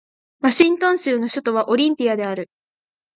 ワシントン州の州都はオリンピアである